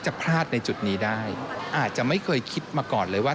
พลาดในจุดนี้ได้อาจจะไม่เคยคิดมาก่อนเลยว่า